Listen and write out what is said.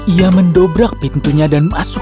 ia mendobrak pintunya dan masuk